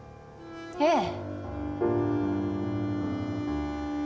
ええ。